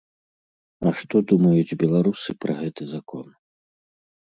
А што думаюць беларусы пра гэты закон?